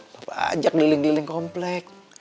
papa ajak di ling liling komplek